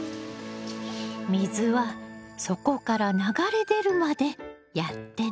水は底から流れ出るまでやってね。